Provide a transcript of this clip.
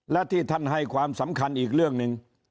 และที่ท่านให้ความสำคัญอีกเรื่องหนึ่ง